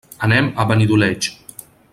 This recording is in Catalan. Anem a Benidoleig.